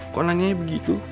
kok nanya begitu